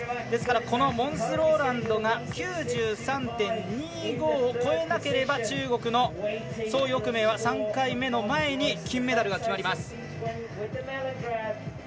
ですからモンス・ローランドが９３．２５を超えなければ中国の蘇翊鳴は３回目の前に金メダルが決まります。